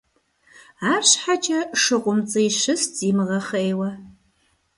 АрщхьэкӀэ ШыкъумцӀий щыст зимыгъэхъейуэ.